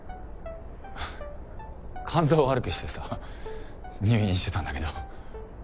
肝臓を悪くしてさ入院してたんだけど。